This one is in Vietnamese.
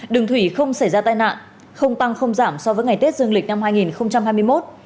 đường thủy không xảy ra tai nạn không tăng không giảm so với ngày tết dương lịch năm hai nghìn hai mươi một